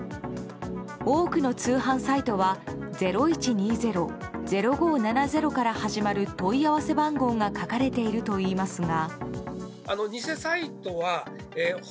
多くの通販サイトは「０１２０」「０５７０」から始まる問い合わせ番号が書かれているといいますが。